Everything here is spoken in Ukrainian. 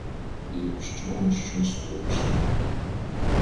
Якщо ми щось вирішимо.